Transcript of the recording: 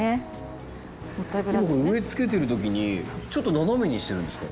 植えつけてる時にちょっと斜めにしてるんですか？